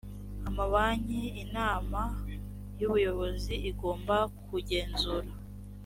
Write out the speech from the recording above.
amabanki inama y ubuyobozi igomba kugenzura